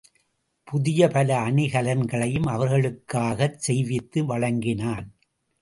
புதிய பல அணிகலன்களையும் அவர்களுக்காகச் செய்வித்து வழங்கினான்.